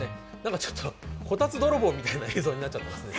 ちょっとこたつ泥棒みたいな映像になっちゃっていますね。